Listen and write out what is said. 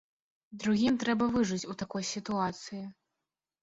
Другім трэба выжыць у такой сітуацыі.